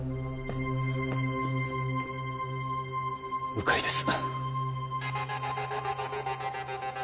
鵜飼です。